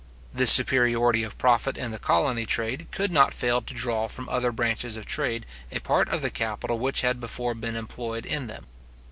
This superiority of profit in the colony trade could not fail to draw from other branches of trade a part of the capital which had before been employed in them.